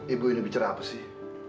ibu ini bicara apa sih